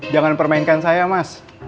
jangan permainkan saya mas